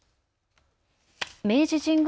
明治神宮